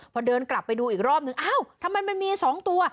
พอเดินกลับไปดูอีกรอบนึงอ้าวทำไมมันมี๒ตัว